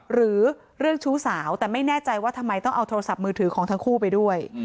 หรือเรื่องชู้สาวแต่ไม่แน่ใจว่าทำไมต้องเอาโทรศัพท์มือถือของทั้งคู่ไปด้วย